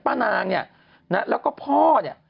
นางเนี่ยนะแล้วก็พ่อเนี่ย